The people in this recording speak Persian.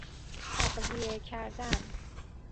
تغذیه کردن